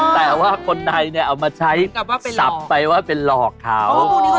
แต่ว่าคนใดเนี่ยเอามาใช้สับไปว่าเป็นหลอกเขา